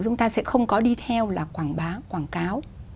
chúng ta sẽ không có đi theo là quảng bá quảng cáo